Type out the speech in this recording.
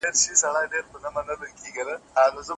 پر ون مو هېر سو سباوون عزراییل وتښتاوه